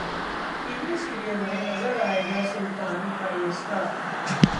TV serial में नजर आएगा 'सुल्तान' का ये स्टार